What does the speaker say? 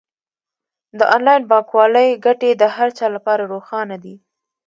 د انلاین بانکوالۍ ګټې د هر چا لپاره روښانه دي.